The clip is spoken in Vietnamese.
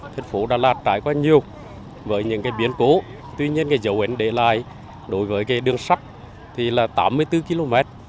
thế phố đà lạt trải qua nhiều với những biến cố tuy nhiên dấu ấn để lại đối với đường sắt là tám mươi bốn km